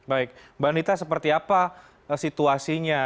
baik mbak anita seperti apa situasinya